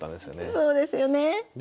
そうですね。